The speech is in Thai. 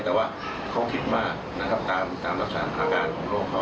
แต่ว่าเค้าคิดมากตามรักษาอาการของโรคเค้าคงประมาณนี้มากกว่า